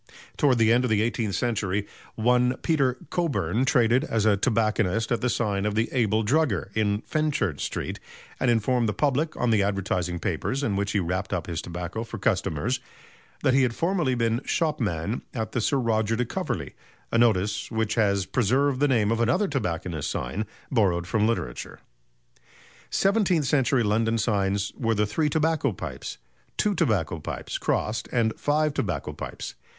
Towards the end of the eighteenth century one Peter Cockburn traded as a tobacconist at the sign of the "Abel Drugger" in Fenchurch Street, and informed the public on the advertising papers in which he wrapped up his tobacco for customers that he had formerly been shopman at the Sir Roger de Coverley a notice which has preserved the name of another tobacconist's sign borrowed from literature. Seventeenth century London signs were the "Three Tobacco Pipes," "Two Tobacco Pipes" crossed, and "Five Tobacco Pipes."